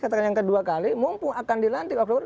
katakan yang kedua kali mumpung akan dilantik oktober